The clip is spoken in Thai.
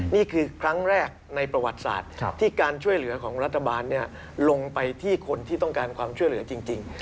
นี่คือครั้งแรกในประวัติศาสตร์ที่การช่วยเหลือของรัฐบาลลงไปที่คนที่ต้องการความช่วยเหลือจริง